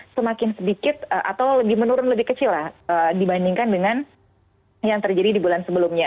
semakin sedikit atau lebih menurun lebih kecil lah dibandingkan dengan yang terjadi di bulan sebelumnya